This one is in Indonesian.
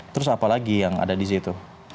terus apa lagi yang ada di situ